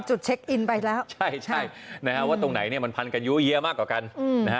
มันสุดเช็กอินไปแล้วใช่นะว่าตรงไหนมันพันกันเหยียวมากกว่ากันนะฮะ